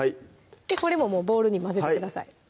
これもうボウルに混ぜてください